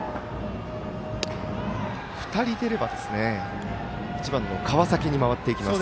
２人出れば１番の川崎に回っていきます。